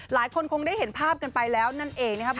หลายคนคงได้เห็นภาพกันไปแล้วนั่นเองนะครับ